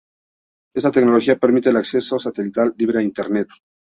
Esta tecnología permite el acceso satelital libre a Internet.